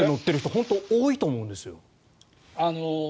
本当に多いと思うんですよ。